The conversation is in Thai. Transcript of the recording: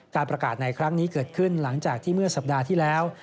การประกาศในครั้งนี้เกิดขึ้นหลังจากที่เมื่อสัปดาห์ที่แล้ว